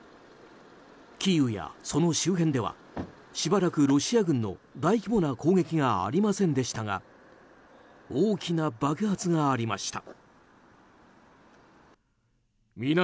キーウやその周辺ではしばらくロシア軍の大規模な攻撃がありませんでしたが大きな爆発がありました。